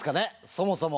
そもそも。